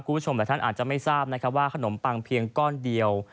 คุณผู้ชมหลายท่านอาจจะไม่ทราบนะครับว่าขนมปังเพียงก้อนเดียว